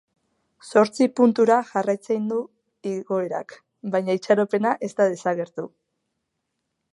Zortzi puntura jarraitzen du igoerak, baina itxaropena ez da desagertu.